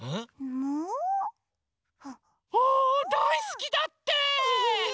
むう？あだいすきだって！